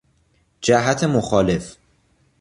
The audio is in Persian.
جهت مخالف